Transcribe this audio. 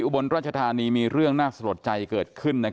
บนราชธานีมีเรื่องน่าสลดใจเกิดขึ้น